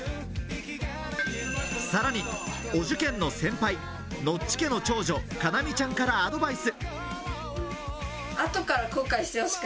さらにお受験の先輩、ノッチ家の長女・叶望ちゃんからアドバイス。